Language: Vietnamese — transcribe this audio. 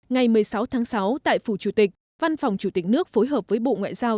ngày một mươi sáu tháng sáu tại phủ chủ tịch văn phòng chủ tịch nước phối hợp với bộ ngoại giao